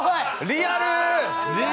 リアル！